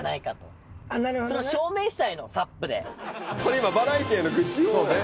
今バラエティーへの愚痴を。